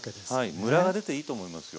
ムラが出ていいと思いますよ。